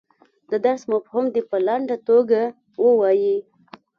د درس مفهوم دې په لنډه توګه ووایي.